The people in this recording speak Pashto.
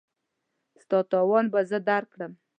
ستا تاوان به زه درکړم.